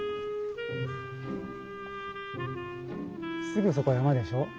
すぐそこ山でしょう？